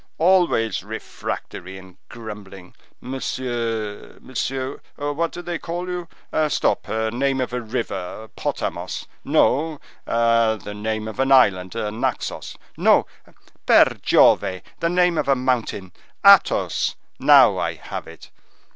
"Always refractory and grumbling—monsieur—monsieur—What do they call you? Stop—a name of a river—Potamos; no—the name of an island—Naxos; no, per Giove!—the name of a mountain—Athos! now I have it.